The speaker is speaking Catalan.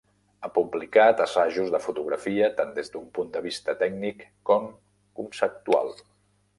Ha publicat assajos de fotografia tant des d'un punt de vista tècnic com conceptual.